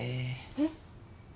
えっ？